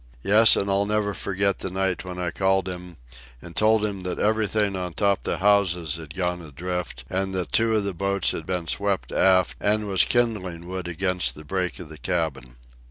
Yes, and I'll never forget the night when I called him an' told him that everything on top the houses had gone adrift, an' that two of the boats had been swept aft and was kindling wood against the break of the cabin.